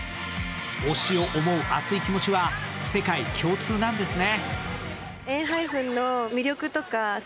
推しを思う熱い気持ちは世界共通なんですね。